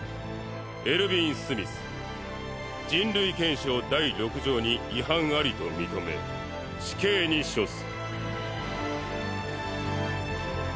エルヴィン・スミス人類憲章第６条に違反ありと認め死刑に処す。